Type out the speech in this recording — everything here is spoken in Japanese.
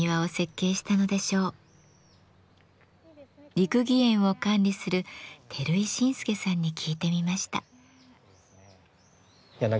六義園を管理する照井進介さんに聞いてみました。